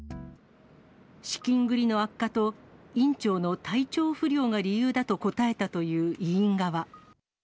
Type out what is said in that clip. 資金繰りの悪化と院長の体調不良が理由だと答えたという医院側。